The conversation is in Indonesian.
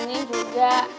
nih juga ya